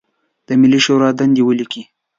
د ملي شورا دندې ولیکئ.